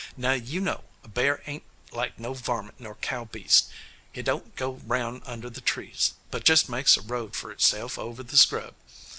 Now, you know, a bear ain't like no varmint nor cow beast; hit don't go 'round under the trees, but jest makes a road for itself over the scrub.